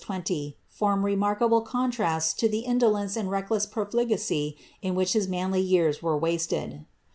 143 twenty, form remarkable contrasts to the indolence and reckless profli pcy in which his manly years were wasted.